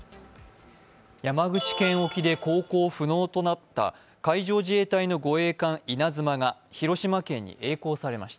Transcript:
山口県沖で航行不能となった海上自衛隊の護衛艦「いなづま」が広島県にえい航されました。